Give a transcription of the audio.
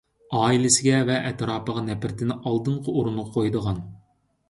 ئائىلىسىگە ۋە ئەتراپىغا نەپرەتنى ئالدىنقى ئورۇنغا قويىدىغان.